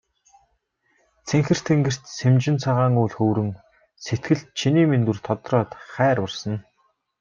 Цэнхэр тэнгэрт сэмжин цагаан үүл хөврөн сэтгэлд чиний минь дүр тодроод хайр урсана.